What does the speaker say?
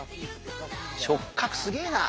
触角すげえな！